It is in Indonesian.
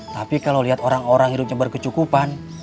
tapi kalau lihat orang orang hidupnya berkecukupan